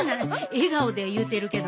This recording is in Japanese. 笑顔で言うてるけども。